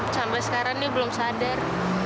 sampai sekarang ini belum sadar